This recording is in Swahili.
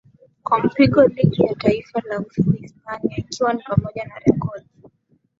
Kwa mpigo ligi ya Taifa la Uhispania ikiwa ni pamoja na rekodi